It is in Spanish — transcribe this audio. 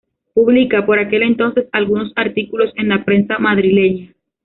Publica, por aquel entonces, algunos artículos en la prensa madrileña.